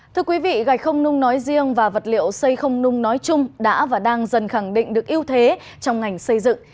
thưa quý vị gạch không nung nói riêng và vật liệu xây không nung nói chung đã và đang dần khẳng định được ưu thế trong ngành xây dựng